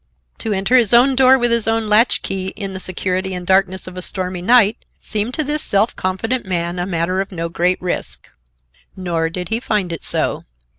To enter his own door with his own latch key, in the security and darkness of a stormy night, seemed to this self confident man a matter of no great risk. Nor did he find it so.